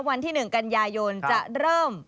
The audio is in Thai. วันที่หนึ่งกัญญโยนจะเริ่ม